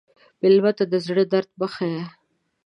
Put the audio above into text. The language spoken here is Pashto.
مېلمه ته د زړه درد مه ښیې.